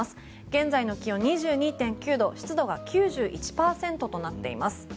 現在の気温２２．９度湿度は９１％となっています。